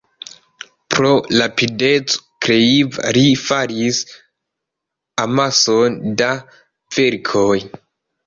Pro rapideco kreiva li faris amason da verkoj.